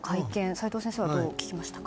齋藤先生はどう聞きましたか。